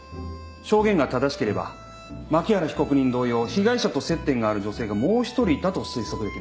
証言が正しければ槇原被告人同様被害者と接点がある女性がもう１人いたと推測できます。